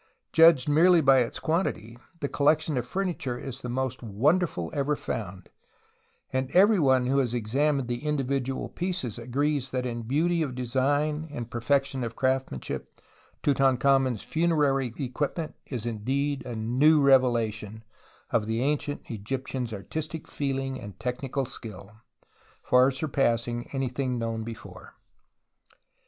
Judged merely by its quantity the collection of furniture is the most wonderful ever found ; and everyone who has examined the individual pieces agrees that in beauty of design and perfection of craftsmanship Tutankhamen's funerary equipment is indeed a new revelation of the ancient Egyptians' artistic feeling and technical skill, far surpass ing anything known before.